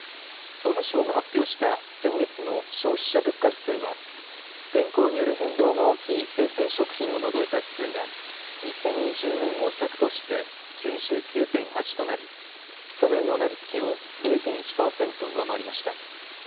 総務省が発表した先月の消費者物価指数は天候による変動が大きい生鮮食品を除いた指数が２０２０年を１００として９９．８となり去年の同じ月を０．１％上回りました。